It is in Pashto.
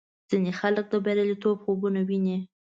ځینې خلک د بریالیتوب خوبونه ویني.